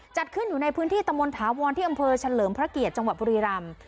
จัดขึ้นอยู่ในพื้นที่ตะมนถาวรที่อำเภอเฉลิมพระเกียรติจังหวัดบุรีรำ